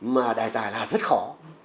mà đề tài là rất khó